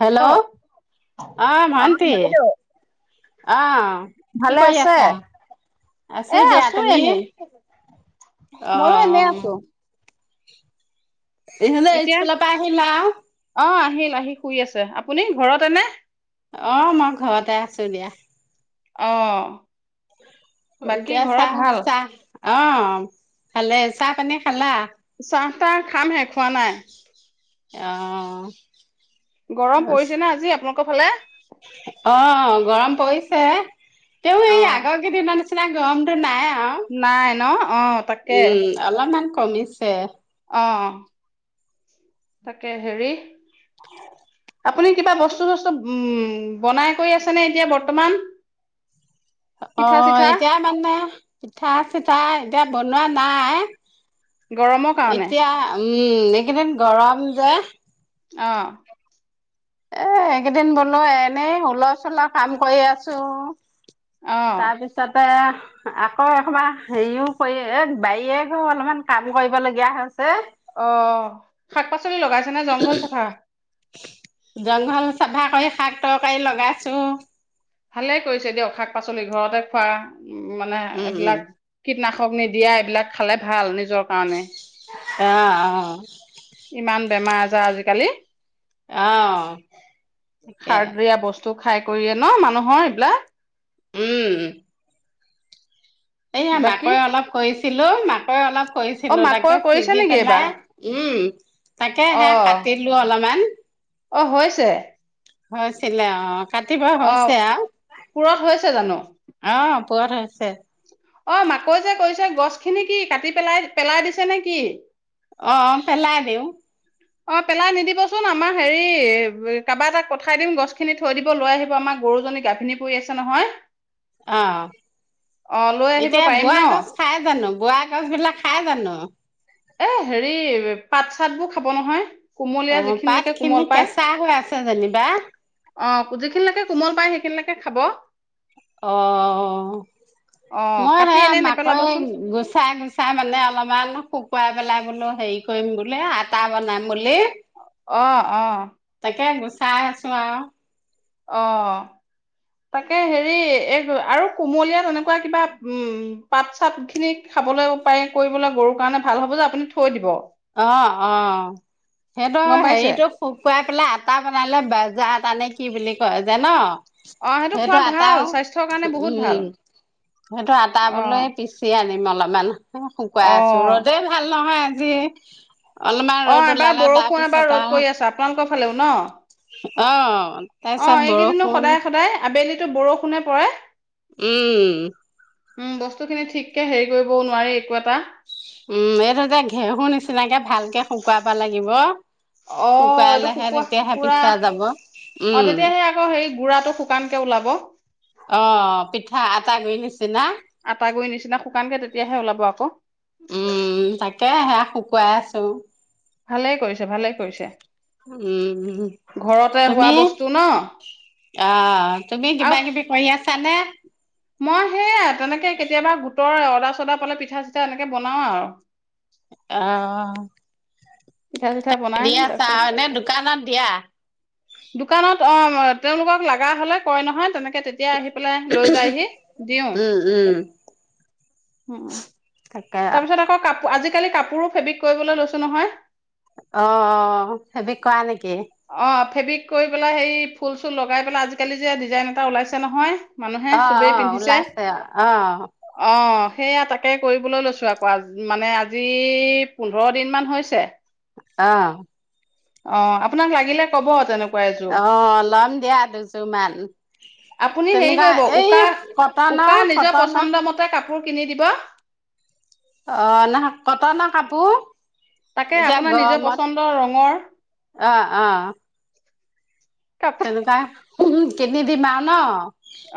Hello আহ hello অ ভন্টি বাইদেউ আহ কি ভালে কৰি আছে আছা আছো দিয়া তুমি অ ময়ো এনে আছো এ স্কুলৰ পৰা আহি মই লাগি পৰি আছোঁ আপুনি ঘৰততে নে অ মই ঘৰতে আছো দিয়া আহ এতিয়া চাহ চাহ অঁ ভালে চাহ পানী খালা চাহ তাহ খাম হেহ খোৱা নাই অঁ গৰম পৰিছে না আজি আপোনা ক' ফালে অঁ গৰম পৰিছে তেওঁ অ এই আগৰ কেইদিন মান ইফা গম দিন নাই আৰু নাই ন অ তাকে উম আমাৰ কমিছে অঁ তাকে হেৰি আপুনি কিবা বস্তু চস্তু উম বনাই কৰি আছেনে এতিয়া বৰ্তমান পিঠা অঁ চিঠা এতিয়া মানে পিঠা চিঠা এতিয়া বৰ্তমান শোৱা নাই গৰমৰ কাৰণে এতিয়া উম এইকেইদিন গৰম যে অঁহহ এ এইকেইদিন বোলো এনেই উলৰ চুলৰ কাম কৰি আছো অ তাৰ পিছতে আকৌ এবাৰ হেৰিও কৰি বাৰীত অলপমান কাম কৰিব লগগীয়া হৈছে অঁ শাক -পাচলি লগাইছে নে জংঘল চাফা জংঘল চাফা কৰি শাক তৰকাৰী লগাইছো ভালে কৰিছে দিয়ক শাক পাচলি ঘৰতে খোৱা উম মানে উম উম এইবিলাক কীটনাশক ঔষধ নিদিয়া এইবিলাক খালে ভাল নিজৰ কাৰণে অঁ অঁ অঁ ইমান বেমাৰ আজাৰ আজিকালি অঁ তাকে টো খাই কৰিয়ে ন মানুহৰ এইবিলাক উম এইয়া বাকী মাকৈ অলপ কৈছে ছিলোঁ মাকৈ অলপ অ কৈছিলো তাকে মাকৈ কৰিছে ছিগি নেকি পেলাই এইবাৰ উম তাকে সে অ কাটিলো অলপমান অ হৈছে হৈছিলে অঁ অঁ অ পুৰঠ হৈছে জানো পুৰঠ হৈছে অ মাকৈ যে কৈছে গছ খিনি কি কাটি পেলাই পেলাই দিছে নে কি অ পেলাই দেওঁ অ পেলাই নিদিবচোন আমাৰ হেৰি কাৰোবাৰ এটাক পঠাই দিম গছ খিনি থৈ দিব লৈ আহিব আমাৰ গৰুজনী গাভিনী পৰি আছে নহয় অ অ লৈ আহিব এতিয়া পাৰিম ন বোৱাগছ খাই জানো বোৱা গছ বিলাক খাই জানো এ হেৰি পাত চাত বোৰ খাব নহয় কোমলীয়া অ', পাত যিখিনিলৈকে খিনি কোমল পায় কেঁচা হৈ আছে যেনিবা অ যিখিনিলৈকে কোমল পায় সেইখিনিলকে খাব অ অ মই সে কাটি এনে মাকৈ নেপেলাবচোন গুচাই গুচাই মানে অলপমান শুকুৱাই পেলাই বোলো হেৰি কৰিম বোলে আটা বনাম বুলি অহ অহ তে গুচাই আছো আৰু অ তাকে হেৰি এই আৰু কুমলীয়া তেনেকুৱা কিবা উম পাত চাত খিনি খাবলৈ পায় কৰিবলৈ গৰুৰ কাৰণে ভাল হব যে আপুনি থৈ দিব অ অ গম সিহতৰ পাইছে হেৰিটোক শুকুৱাই পেলাই আটা বনালে বজাৰ তানে কি বুলি কয় যে ন অ খোৱা সেইটো ভাল আটাও স্বাস্থ্যৰ কাৰণে বহুত ভাল উম সেইটো আটা অ বোলে পিচি আন মলামাল অ শুকুৱাই আছো ৰ'দে ভাল নহয় যে [unintelligible] অ এবাৰ বৰষুণ এবাৰ পিছত ৰ'দ আৰু কৰি আছে আপোনালোকৰ ফালেও ন অ অ তাৰপিছত এইকেইদিনো বৰষুণ সদায় সদায় আবেলি এইটো বৰষুণে পৰে উম উম বস্তু খিনি ঠিককে হেৰি কৰিবও নোৱাৰি একো এটা উম এইটোত ঘেঁহুৰ নিচিনাকে ভালকে শুকুৱাব লাগিব অ এইটো শুকুৱালেহে শুক তেতিয়াহে পোৰা পিছা যাব অ উম তেতিয়া সে আকৌ হে গুড়াটো শুকানকে ওলাব [unintelligible] অ পিঠা আটা ঘুৰি়ছ আটা গুৰি নিচিনা শুকানকে তেতিয়াহে ওলাব আকৌ তাকেহে শুকুৱাই আছোঁ ভালে কৰিছে ভালে কৰিছে উম ঘৰতে হোৱা তুমি বস্তু ন অ তুমি আৰু কিবা কিবি কৰি আছা আছানে মই সেয়া তেনেকে কেতিয়াবা গোটৰ অদা চদা পালে পিঠা চিঠা এনেকে বনাও আৰু আহ পিঠা চিঠা বনাই দি আছা এনে দোকানত দিয়া। তাৰপিছত দোকানত অ তেওঁলোকক লগা হ'লে কয় নহয় তেনেক তেতিয়া আহি পেলাই লৈ যায় হি দিও উম তাকে তাৰপিছত আকৌ আজিকালি কাপোৰো ফেব্ৰিক কৰিবলৈ লৈছো নহয় অ ফেবিক কোৱা নেকি অ ফেবিক কৰি পেলাই হেৰি ফুল চুল লগাই পেলাই আজিকালি যে ডিজাইন এটা ওলাইছে নহয় মানুহে অ চবেই অ পিন্ধিছে উওলাইছে অ অ', সেয়া তাকে কৰিবলৈ লৈছো আকৌ আ মানে আজি পোন্ধৰ দিন মান হৈছে আহ অ আপোনাক লাগিলে কব তেনেকুৱা এযোৰ। অ লপ দিয়া দুযুমান আপুনি হেৰি কৰিব উকা কটনৰ উকা নিজৰ কটনৰ পচন্দ মতে কাপোৰ কিনি দিবা অ ন কটনৰ কাপোৰ তাকে এতিয়া আপোনাৰ নিজৰ গৰমত পচন্দৰ ৰঙৰ অ অ কাপোৰ তেনে কাই উম কিনি দিম আৰু ন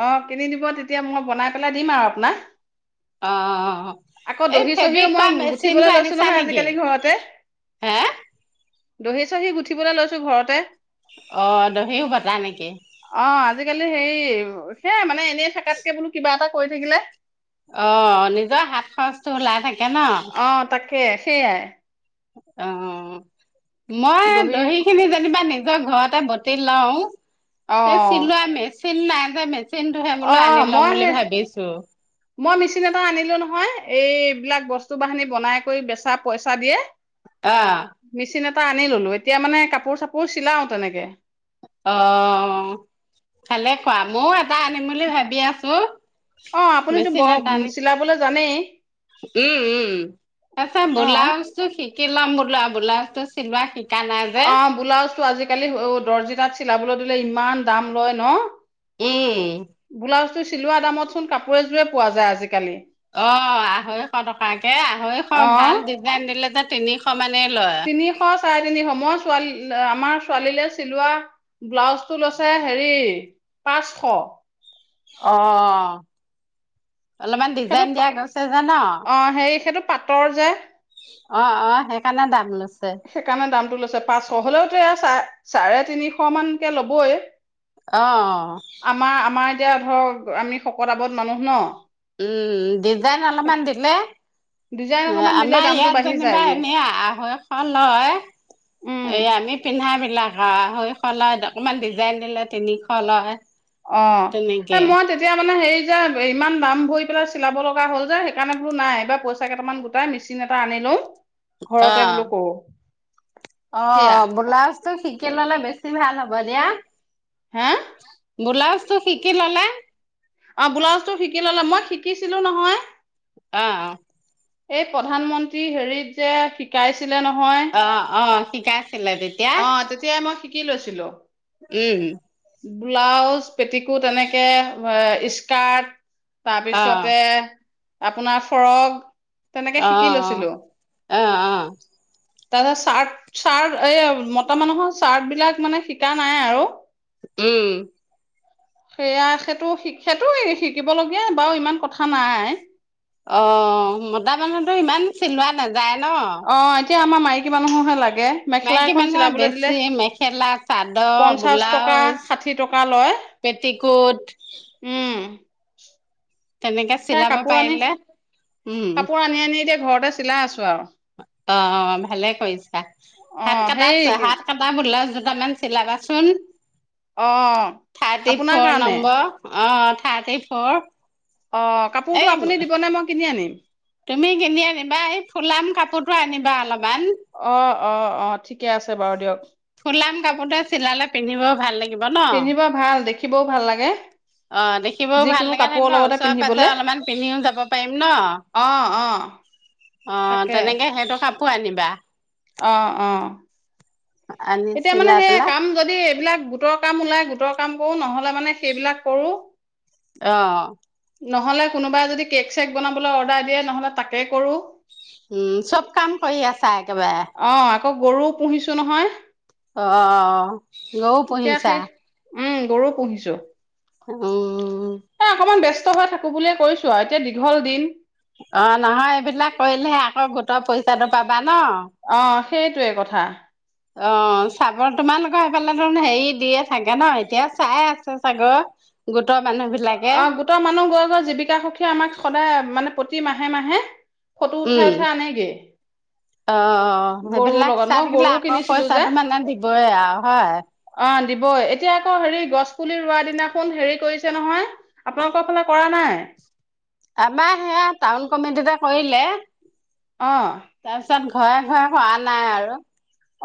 অ কিনি দিব তেতিয়া মই বনাই পেলাই দিম আৰু আপোনাক অ আকৌ এই দহি চহিও ফেব্ৰিক কৰা মই গুঠিবলৈ মেচিনটো লৈছো আনিছা নহয় নেকি আজিকালি ঘৰতে হে দহি চহি গুঠিবলৈ লৈছো ঘৰতে অ দহিও বতা নেকি? অ আজিকালি সেই সেয়া মানে এনে থাকাতকে বোৰ কিবা এটা কৈ থাকিলে অ নিজৰ হাত খচটো ওলাই থাকে ন? অ তাকে সেইয়াই অ মই দহি খিনি যেনিবা দিম মই ঘৰতে বটি লওঁ অ এ চিলোৱা মেজ [unintelligible] অ মই সেই মই মেচিন এটা আনিলো নহয় এইবিলাক বস্তু বাহনি বনাই কৰি বেচা পইচা দিয়ে আহ চিন এটা আনি ললো এতিয়া মানে কাপোৰ চাপোৰ চিলাও তেনেকে অ ভালে খোৱা মই টা আনিম বুলি ভাবি আছো অ আপুনিতো মেচিন এটা ব আনিম চিলাবলৈ জানেই উম উম তাৰছত অ ব্লাউজ টো কি শ লাম বোলাবা ব্লাউজতো চিলোৱা শি অ ব্লাউজ টো আজিকালি দৰ্জি তাত চিলাবলৈ দিলে ইমান দাম লয় ন উম ব্লাউজটো চিলোৱা দামত চোন কাপোৰ এযোৰে পোৱা যায় আজিকালি অ আঢ়ৈশ টকাকে আঢ়ৈশ ভাল অ ডিজাইন দিলে যে তিনিশ মান তিনিশ চাৰে তিনিশ মই ছোৱালী আমাৰ ছোৱালীলৈ চিলোৱা ব্লাউজ টো লৈছে হেৰি পাঁচশ অ অলপমান ডিজাইন সেইটো দিয়া গৈছে যে ন অ সেই সেইটো পাটৰ যে অ অ সেইকাৰণে দাম লৈছে সেইকাৰণে দামটো লৈছে পাঁচশ হলেও তেয়া চাই চাৰে তিনিশ মানকে লবই আহ আমাৰ আমাৰ এতিয়া ধৰক আমি শকত আৱত মানুহ ন উম দিজাইন অলপমান দিলে ডিজাইন অকমান দিলে আমাৰ দামটো ইয়াত বাঢ়ি যেনিবা যায়গে এনে আঢ়ৈশ লয় উম এই আমি পিন্ধা বিলাক আঢ়ৈশ লয় অকমান ডিজাইন দিলে তিনিশ লয় অ এ তেনেকে মই তেতিয়া মানে হেৰি যে ইমান দাম ভৰি পেলাই চিলাব লগা হ'ল যে সেইকাৰণে বোলো নাই এইবাৰ পইচা কেইটামান গোটাই মেচিন এটা আনি লও অ ঘৰত এ বোলো কৰো অ সেয়া বোলাছ ত শিকি ললে বেছি ভাল হ'ব দিয়া হে বোলাছ শিকি ললে অ ব্লাউজটো শিকি ললে মই শিকিছিলো নহয় অ এই প্ৰধানমন্ত্ৰী হেৰিত যে শিকাইছে ছিলে নহয় শিকা অ তেতিয়াই মই শি কি লৈছিলো উম ব্লাউজ পেটিকোত এনেকে স্কাৰ্ট অ তাৰপিছতে আপোনাৰ ফৰগ আহ অ আহ আহ তাতে চাৰ্ট চাৰ্ট এ মতা মানুহৰ চাৰ্ট বিলাক মানে শিকা নাই আৰু উম সেয়া সেইটো শিক্ষাটো শিকিবলগীয়া বাৰু ইমান কথা নাই অ মতা মানুহটো ইমান চিলোৱা নেযায় যায় ন এয়ামাৰ মাইকী মানুহৰ হে লাগে মেখেলা মাইকী এখন মানুহৰ চিলাবলৈ দিলে বেছি মেখেলা চাদৰ পঞ্চাশ টকা ব্লাউজ ষাঠি টকা লয় পেটিকোট উম তেনেকে সেই চিলাব কাপোৰ আনি পাৰিলে উম কাপোৰ আনি আনি এতিয়া ঘৰতে চিলাই আছো আৰু অ ভালে কৰিছা অ হাত কটা সেই হাত কটা বলা মান চিলাবাচোন অ থাৰ্টি আপোনাৰ ফ'ৰ কাৰণে নম্বৰ অ থাৰ্টি ফৰ অ এই কাপোৰতটো আপুনি দিবনেে মই কিনি আনিম তুমি কিনি আনিবা এই ফুলাম কাপোৰটো আনিবা অলপমান অ অ অ ঠিকে আছে বাৰু দিয়ক খুলাম কাপোৰতে চিলালে পিন্ধিবও ভাল লাগিব ন পিন্ধিবও ভাল লাগে অ দেখিবও ভাল যিকোনো লাগে নে ন কাপোৰৰ লগতে ওচৰে পাজৰে পিন্ধিবলে অলপমান পিন্ধিও যাব পাৰিম ন অ অ অ তেনেকে সেইটো খাপ কো আনিবা আহ আহ আনি এতিয়া মানে চিলাই সেই পেলাই কাম যদি এইবিলাক গোটৰ কাম ওলাই গোটৰ কাম কৰো নহলে মানে সেইবিলাক কৰো আহ নহলে কোনোবাই যদি কেক চেক বনাবলৈ অৰ্ডাৰ দিয়ে নহ'লে তাকে কৰো উম চব কাম কৰি আছা একেবাৰে অ' আকৌ গৰুও পুহিছো নহয় অ গৰু এতিয়া পুহিছা সেই উম গৰু পুহিছো উম এ অকমান ব্যস্ত হৈ থাকো বুলিয়ে কৈছো আৰু এতিয়া দীঘল দিন অ নহয় এইবিলাক কৰিলেহে আকৌ গোটৰ পইচাঁটো পাবা ন অ' সেইটোৱে কথা অ চাবৰ তোমালোকৰ সেইফালে ধ হেৰি দিয়ে থাকে ন এতিয়া চাই আছে চাগৰ গোট অ গোটৰ মানুহ গৈ গৈ জীৱিকা সখীয়ে আমাক সদায় মানে পঠি মাহে মাহে ফটো উঠাই উম উঠাই আনেগে অ গৰুৰ সেইবিলাক লগত চাই মই থাকিলে গৰু আকৌ কিনিছিলো যে পইচাটো মানে দিবই আৰু হয় অ' দিবই এতিয়া আকৌ হেৰি গছ পুলি ৰোৱা দিনাখন হেৰি কৰিছে নহয় আপোনালোকৰ ফালে কৰা নাই আমাৰ সেয়া টাউন কমিটিতে কৰিলে অ'। তাৰ পিছত ঘৰে ঘৰে হোৱা নাই আৰু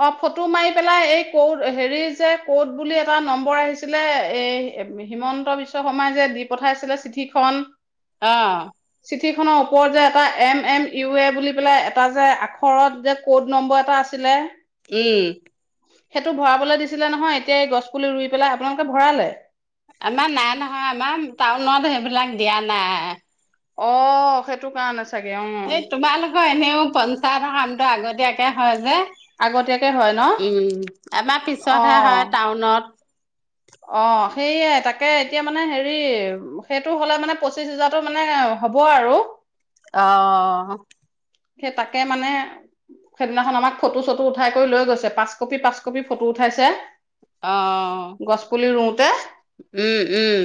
অ ফটো মাৰি পেলাই এই কত হেৰি যে কত বুলি এটা নম্বৰ আহিছিলে এই হিমন্ত বিশ্ব শৰ্মাই যে দি পঠাইছিলে চিঠিখন অ চিঠিখনৰ ওপৰত যে এটা এম এম ইউ এ বুলি পেলাই এটা যে আখৰত যে ক'ড নম্বৰ এটা আছিলে উ সেইটো ভৰাবলৈ দিছিলে নহয় এতিয়া এই গছ পুলি ৰুই পেলাই আপোনালোকে ভৰালে আমাৰ নাই নহয় আমাৰ টাউনত সেইবিলাক দিয়া নাই অ সেইটো কাৰণ আছে এই তোমালোকৰ এনেও পঞ্চায়তৰ কামটো আগতীয়াকে হয় আগতীয়াকে হয় ন যে উম আমাৰ অ পিছতহে হয় টাউনত অ সেইয়ে তাকে এতিয়া মানে হেৰি সেইটো হলে মানে পঁচিশ হোজাৰত মানে হব আৰু আহ সেই তাকে মানে সেইদিনাখন আমাক ফটো চটো উঠাই কৰি লৈ গৈছে পাঁচ কপি পাঁচ কপি ফটো উঠাইছে আহ গছ পুলি ৰুওঁতে উম উম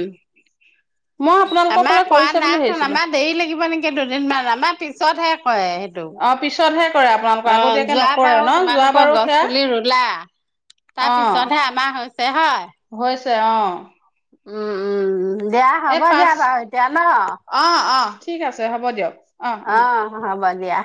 মই আপোনালোকৰ আমাৰ ফালে কোৱা কৰিছে বুলি নাইচোন ভাবিছিলো আমাৰ দেৰি লাগিব নেকি দুদিনমান আমাৰ পিছতহে হয় সেইটো অ পিছতহে কৰে আপোনালোকৰ অ আগতীয়াকে যোৱ নকৰে বাৰু ন যোৱা তোমালোকৰ বাৰু গছ সেয়া পুলি ৰুলা অ তাৰপিছতহে আমাৰ দেহাই হৈছে অ উম উম উ দিয়া এই হ'ব পাঁচ দিয়া বাৰু এতিয়া ন অ অ ঠিক আছে হ'ব দিয়ক অ হব দিয়া